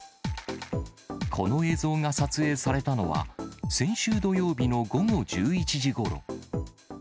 この映像が撮影されたのは、先週土曜日の午後１１時ごろ。